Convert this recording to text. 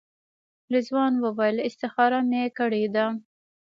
رضوان وویل استخاره مې کړې ده.